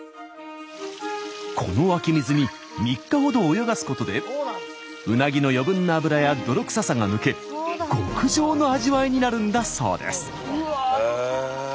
この湧き水に３日ほど泳がすことでうなぎの余分な脂や泥臭さが抜け極上の味わいになるんだそうです。